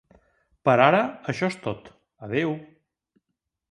Per ara, això és tot, adeu!